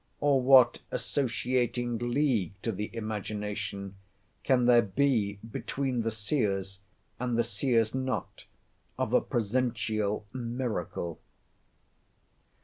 or what associating league to the imagination can there be between the seers, and the seers not, of a presential miracle?